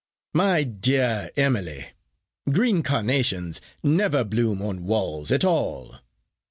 "My dear Emily, green carnations never bloom on walls at all.